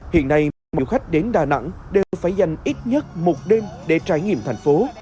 hiện nay mỗi khách đến đà nẵng đều phải dành ít nhất một đêm để trải nghiệm thành phố